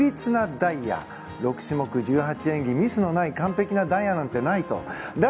ダイヤ６種目１８演技ミスのない完璧なダイヤなんてないと。